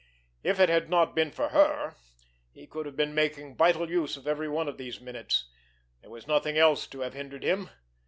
If it had not been for her, he could have been making vital use of every one of these minutes! There was nothing else to have hindered him!